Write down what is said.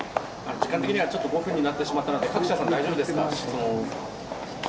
時間的にはちょっと５分になってしまったので、各社さん、大丈夫ですか、質問。